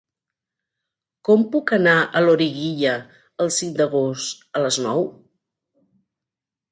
Com puc anar a Loriguilla el cinc d'agost a les nou?